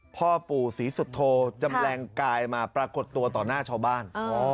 พ่อปู่ศรีสุโธจำแรงกายมาปรากฏตัวต่อหน้าชาวบ้าน